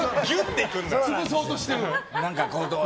潰そうとしてる。